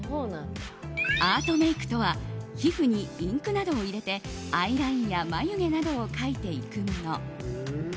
アートメイクとは皮膚にインクなどを入れてアイラインや眉毛などを描いていくもの。